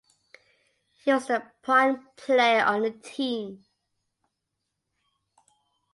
He was the prime player on the team.